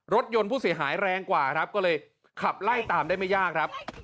รถยนต์ผู้เสียหายแรงกว่าครับ